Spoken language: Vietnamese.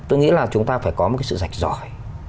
tôi nghĩ là chúng ta phải có một cái sự rạch rõi